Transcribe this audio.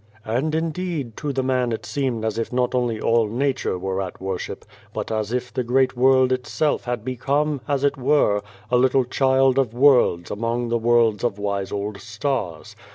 "And, indeed to the man it seemed as if not only all Nature were at worship, but as if the great world itself had become, as it were, a little child of worlds among the worlds of wise old stars.